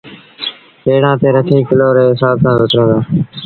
ريڙآݩ تي رکي ڪلو ري هسآب سآݩ وڪڻيٚن دآ